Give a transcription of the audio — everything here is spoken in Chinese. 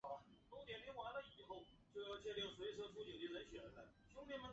凹睾棘缘吸虫为棘口科棘缘属的动物。